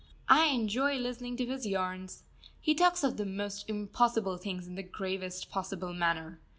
I enjoy listening to his yarns. He talks of the most impossible things in the gravest possible manner.